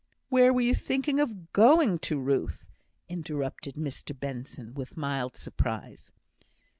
"Where were you thinking of going to, Ruth?" interrupted Mr Benson, with mild surprise.